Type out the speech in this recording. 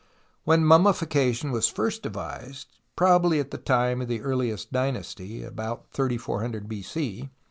When mummification was first devised, probably at the time of the earhest dynasty (about 3400 B.C.)